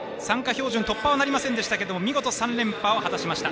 標準突破はなりませんでしたが見事、３連覇を果たしました。